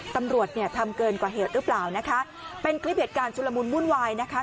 ตำรวจเนี่ยทำเกินกว่าเหตุหรือเปล่านะคะเป็นคลิปเหตุการณ์ชุลมุนวุ่นวายนะคะ